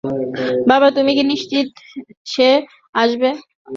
বাবা, তুমি কি নিশ্চিত সে আসছে?